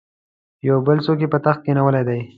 یو بل څوک یې پر تخت کښېنولی دی.